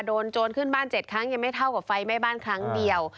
โจรขึ้นบ้าน๗ครั้งยังไม่เท่ากับไฟไหม้บ้านครั้งเดียว